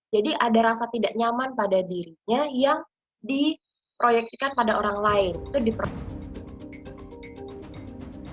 jadi ada rasa tidak nyaman pada dirinya yang diproyeksikan pada orang lain